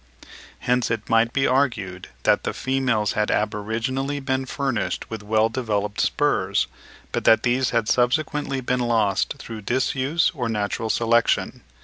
Hence it might be argued that the females had aboriginally been furnished with well developed spurs, but that these had subsequently been lost through disuse or natural selection.